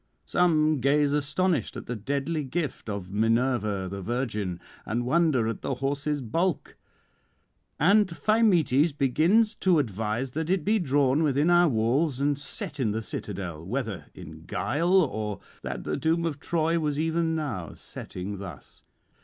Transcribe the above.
Some gaze astonished at the deadly gift of Minerva the Virgin, and wonder at the horse's bulk; and Thymoetes begins to advise that it be drawn within our walls and set in the citadel, whether in guile, or that the doom of Troy was even now setting thus.